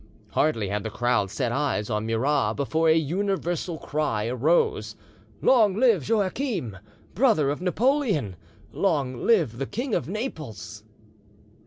Hardly had the crowd set eyes on Murat before a universal cry arose, "Long live Joachim, brother of Napoleon! Long live the King of Naples!"